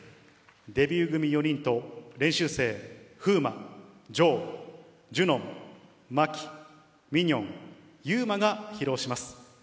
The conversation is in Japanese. デビュー組４人と、練習生、フウマ、ジョウ、ジュンウォン、マキ、ミニョン、ユウマが披露します。